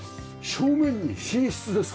正面に寝室ですか？